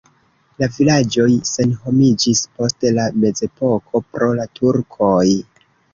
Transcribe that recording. La vilaĝoj senhomiĝis post la mezepoko pro la turkoj.